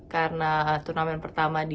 karena turnamen pertama di dua ribu dua puluh tiga